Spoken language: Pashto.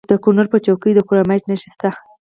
د کونړ په څوکۍ کې د کرومایټ نښې شته.